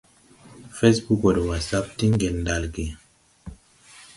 Fɛsbug wɔ de wasap diŋ ŋdel ɗalge.